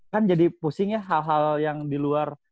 kan jadi pusing ya hal hal yang di luar